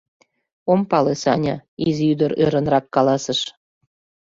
— Ом пале, Саня... — изи ӱдыр ӧрынрак каласыш.